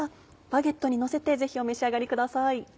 バゲットにのせてぜひお召し上がりください。